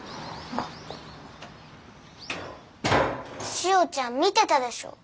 しおちゃん見てたでしょ？